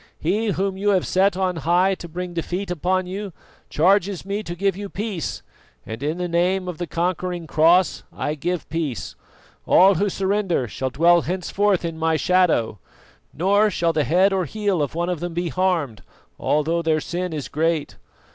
"He whom you have set on high to bring defeat upon you charges me to give you peace, and in the name of the conquering Cross I give peace. All who surrender shall dwell henceforth in my shadow, nor shall the head or the heel of one of them be harmed, although their sin is great.